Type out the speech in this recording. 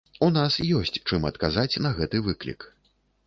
У нас ёсць чым адказаць на гэты выклік.